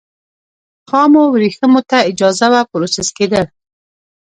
خامو ورېښمو ته اجازه وه پروسس کېدل.